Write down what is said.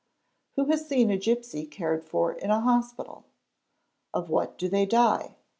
Who has seen a gipsy cared for in hospital? Of what do they die?